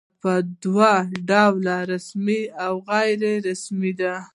اداره په دوه ډوله رسمي او غیر رسمي ده.